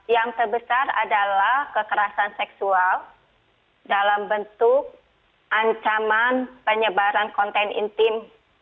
yang terbesar adalah kekerasan seksual dalam bentuk ancaman penyebaran konten intim